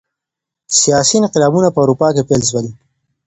سیاسي انقلابونه په اروپا کي پیل سول.